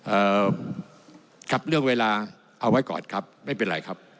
เอ่อครับเรื่องเวลาเอาไว้ก่อนครับไม่เป็นไรครับ